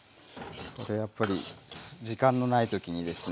でやっぱり時間のない時にですね。